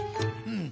うん。